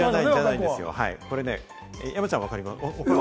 山ちゃん、分かりますか？